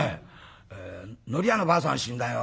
「のり屋のばあさん死んだよ」